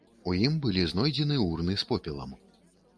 У ім былі знойдзены урны з попелам.